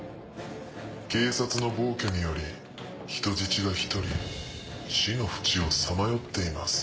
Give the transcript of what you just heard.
警察の暴挙により人質が１人死の淵をさまよっています。